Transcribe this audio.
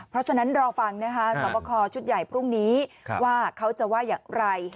เพราะฉะนั้นรอฟังนะคะสอบคอชุดใหญ่พรุ่งนี้ว่าเขาจะว่าอย่างไร